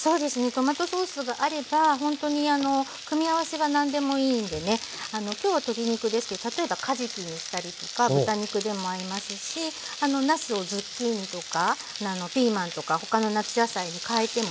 トマトソースがあればほんとに組み合わせは何でもいいんでね今日は鶏肉ですけど例えばかじきにしたりとか豚肉でも合いますしなすをズッキーニとかピーマンとか他の夏野菜にかえてもねすごく合います。